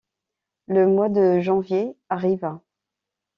Le mois de janvier arriva.